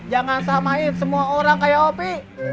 jangan samain semua orang kayak opi